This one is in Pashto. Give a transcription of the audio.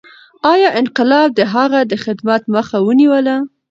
ایا انقلاب د هغه د خدمت مخه ونیوله؟